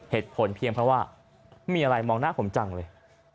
เหตุผลเพียงเพราะว่ามีอะไรมองหน้าผมจังเลย